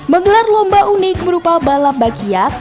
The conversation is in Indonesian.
menggelar lomba unik berupa balap bakiat